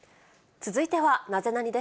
続いてはナゼナニっ？